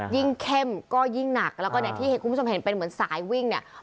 ยิ่งเข้มก็ยิ่งหนักแล้วก็ที่คุณผู้ชมเห็นเป็นเหมือนสายวิ่งเนี่ย